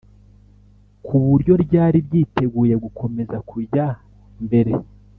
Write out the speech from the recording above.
ku buryo ryari ryiteguye gukomeza kujya mbere